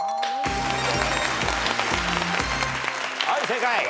はい正解！